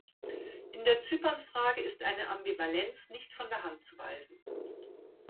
In der Zypernfrage ist eine Ambivalenz nicht von der Hand zu weisen.